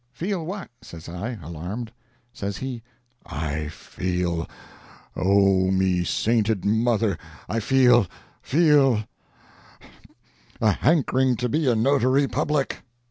"Feel what?" says I, alarmed. Says he, "I feel—O me sainted mother!—I feel—feel—a hankering to be a Notary Public!"